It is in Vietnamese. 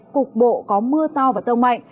cục bộ có mưa to và rông mạnh